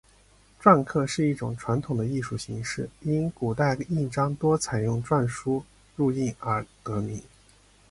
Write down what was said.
篆刻是一种传统的艺术形式，因古代印章多采用篆书入印而得名。